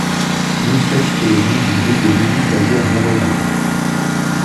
Moussette est le nom d'un groupe de musique basé à Montréal.